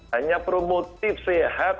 hanya promotif sehat